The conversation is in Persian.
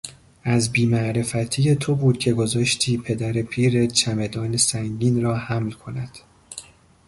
از بیمعرفتی تو بود که گذاشتی پدر پیرت چمدان سنگین را حمل کند.